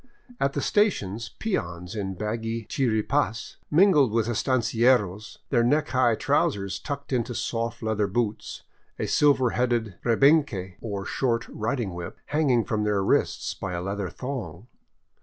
At the stations, peons in baggy chiripds mingled with estancieros, their neck high trousers tucked into soft leather boots, a silver headed rehenque, or short riding whip, hanging from their wrists by a leather thong.